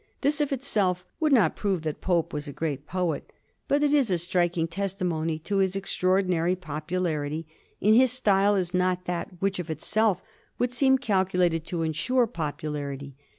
This of itself would not prove that Pope was a great poet, but it is a striking testimony to his extraordinary popularity, and his style is not that which of itself would seem calculated to insure popularity.